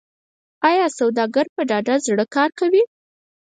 آیا سوداګر په ډاډه زړه کار کوي؟